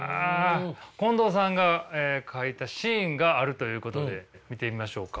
近藤さんが描いたシーンがあるということで見てみましょうか。